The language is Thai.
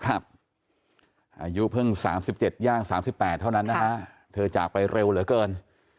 อายุเพิ่ง๓๗ย่าง๓๘เท่านั้นนะฮะเธอจากไปเร็วเหลือเกิน